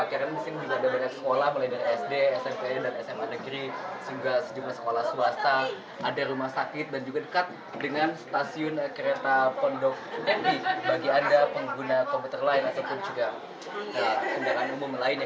karena di sini juga ada banyak sekolah mulai dari sd smk dan sma negeri sejumlah sekolah swasta ada rumah sakit dan juga dekat dengan stasiun kereta pondok mp bagi anda pengguna komputer lain ataupun juga